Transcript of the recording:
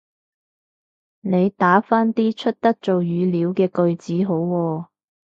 你打返啲出得做語料嘅句子好喎